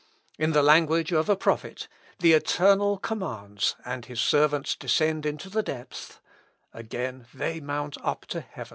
In the language of a prophet, "The Eternal commands, and his servants descend into the depths; again they mount up to heaven."